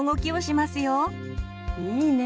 いいね。